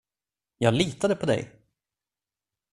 Jag litade på dig.